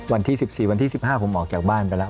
วันที่๑๔วันที่๑๕ผมออกจากบ้านไปแล้ว